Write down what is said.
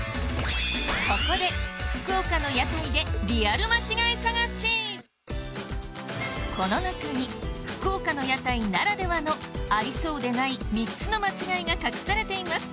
ここでこの中に福岡の屋台ならではのありそうでない３つの間違いが隠されています